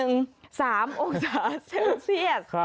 ๓องศาเซลเซียส